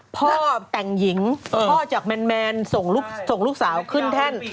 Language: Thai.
พ่อแต่งหญิงพ่อจากแมนส่งลูกสาวขึ้นแท่น